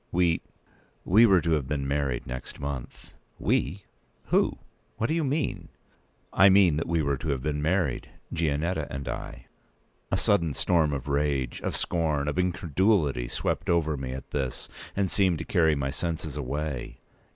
We—we were to have been married next month." p. 202"We? Who? What do you mean?" "I mean that we were to have been married—Gianetta and I." A sudden storm of rage, of scorn, of incredulity, swept over me at this, and seemed to carry my senses away.